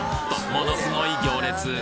ものすごい行列